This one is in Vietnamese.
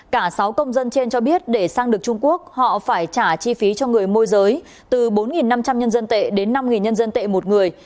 cả sáu công dân trên cho biết để sang được trung quốc họ phải trả chi phí cho người môi giới từ bốn năm trăm linh nhân dân tệ đến năm nhân dân tệ một người